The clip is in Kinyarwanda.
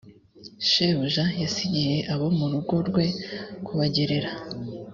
shebuja yasigiye abo mu rugo rwe kubagerera